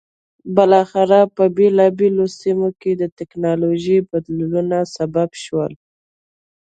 بالاخره په بېلابېلو سیمو کې د ټکنالوژیکي بدلونونو سبب شو.